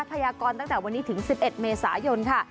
พยากรตั้งแต่วันนี้ถึง๑๑เมษายนค่ะ